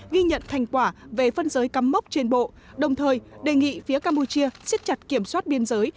ghi nhận thành quả về phân giới cắm mốc trên bộ đồng thời đề nghị phía campuchia xích chặt kiểm soát biên giới